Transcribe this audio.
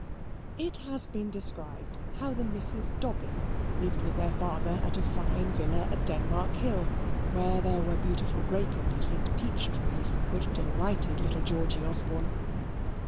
It has been described how the Misses Dobbin lived with their father at a fine villa at Denmark Hill, where there were beautiful graperies and peach trees which delighted little Georgy Osborne.